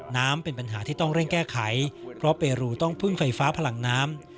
น้ำเป็นปัญหาที่ต้องเร่งแก้ไขเพราะเปรูต้องพึ่งไฟฟ้าพลังน้ำ